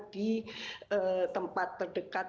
di tempat terdekat